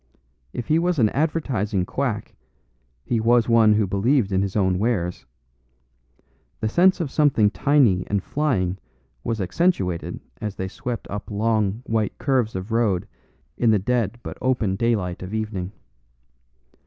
If he was an advertising quack, he was one who believed in his own wares. The sense of something tiny and flying was accentuated as they swept up long white curves of road in the dead but open daylight of evening.